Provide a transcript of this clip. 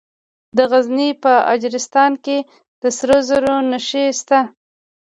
د غزني په اجرستان کې د سرو زرو نښې شته.